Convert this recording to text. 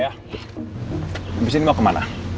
abis ini mau kemana